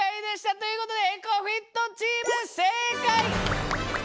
ということでエコＦＩＴチーム正解！